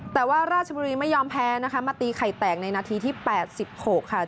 แต่ว่าราชบุรีไม่ยอมแพ้นะคะมาตีไข่แตกในนาทีที่๘๖ค่ะ